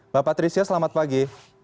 bapak patricia selamat pagi